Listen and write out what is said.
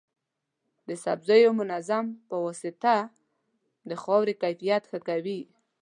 د سبزیو منظم پواسطه د خاورې کیفیت ښه کوي.